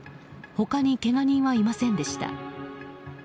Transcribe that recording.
他にけが人はいませんでした。